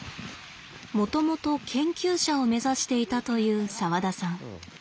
もともと研究者を目指していたという澤田さん。